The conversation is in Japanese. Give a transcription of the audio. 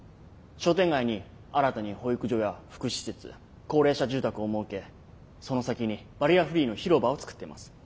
商店街に新たに保育所や福祉施設高齢者住宅を設けその先にバリアフリーの広場を作っています。